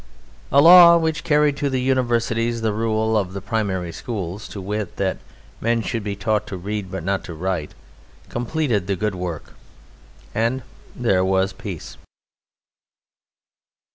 A law which carried to the universities the rule of the primary schools to wit, that men should be taught to read but not to write completed the good work. And there was peace.